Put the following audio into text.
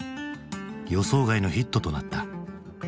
予想外のヒットとなった。